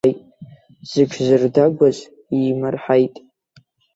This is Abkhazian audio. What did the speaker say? Зыҽзырдагәаз иимырҳаит.